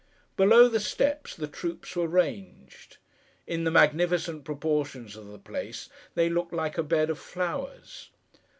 Below the steps the troops were ranged. In the magnificent proportions of the place they looked like a bed of flowers.